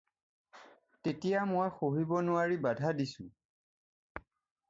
তেতিয়া মই সহিব নোৱাৰি বাধা দিছোঁ